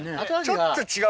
ちょっと違う。